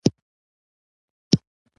رنسانس د فکر او فرهنګ بیا زېږون ته وايي.